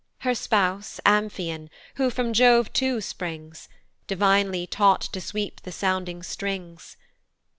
Her spouse, Amphion, who from Jove too springs, Divinely taught to sweep the sounding strings.